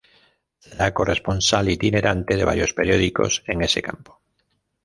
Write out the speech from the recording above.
Será corresponsal itinerante de varios periódicos en ese campo.